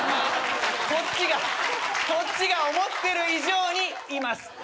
こっちがこっちが思ってる以上にいます